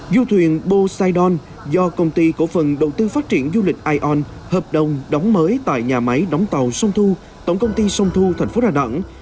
du thuyền bồ saidon do công ty cổ phần đầu tư phát triển du lịch ion hợp đồng đóng mới tại nhà máy đóng tàu sông thu tổng công ty sông thu thành phố đà nẵng